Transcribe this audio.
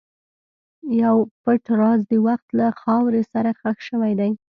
یو پټ راز د وخت له خاورې سره ښخ شوی دی.